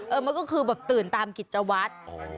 เออมันก็คือแบบตื่นตามกิจวัฒน์